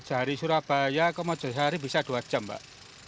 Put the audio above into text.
dari surabaya ke mojosari bisa dua jam mbak